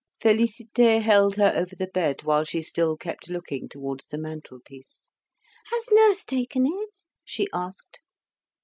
Félicité held her over the bed while she still kept looking towards the mantelpiece. "Has nurse taken it?" she asked.